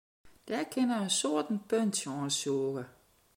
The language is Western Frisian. Dêr kinne in soad in puntsje oan sûge.